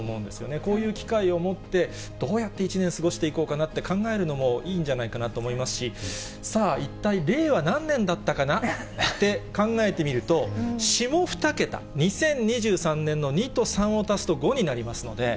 こういう機会を持って、どうやって１年過ごしていこうかなと考えるのもいいんじゃないかなと思いますし、さあ、一体令和何年だったかなって考えてみると、下２桁２０２３年の２と３を足すと、５になりますので。